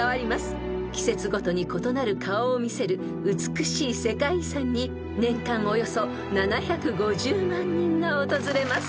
［季節ごとに異なる顔を見せる美しい世界遺産に年間およそ７５０万人が訪れます］